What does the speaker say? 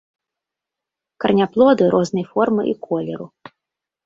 Караняплоды рознай формы і колеру.